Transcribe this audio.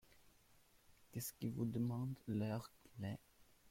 Qu’est-ce qui vous demande l’heure qu’il est ?…